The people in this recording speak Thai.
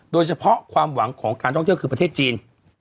โดยเฉพาะความหวังของการท่องเที่ยวคือประเทศจีน